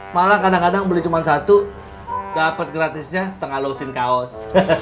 malah kadang kadang beli cuma satu dapat gratisnya setengah lousin kaos